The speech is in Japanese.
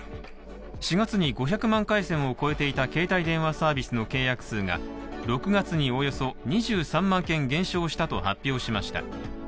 ４月に５００万回線を超えていた携帯電話サービスの契約数が６月におよそ２３万件減少したと発表しました。